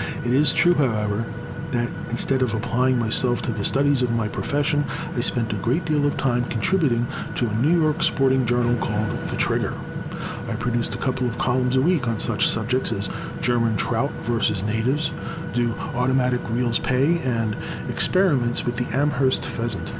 It is true, however, that instead of applying myself to the studies of my profession I spent a great deal of time contributing to a New York sporting journal called the Trigger, I pro duced a couple of columns a week on such sub jects as German Trout versus Natives,*' Do Automatic Reels Pay ?and Experiments with the Amherst Pheasant.